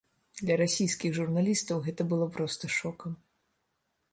Для расійскіх журналістаў гэта было проста шокам.